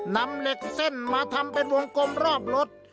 นำเหล็กเส้นมาทำเป็นวงกลมรอบรถ